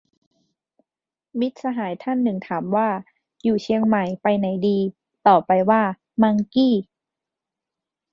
มิตรสหายท่านหนึ่งถามว่า อยู่เชียงใหม่ ไปไหนดี ตอบไปว่า มังกี้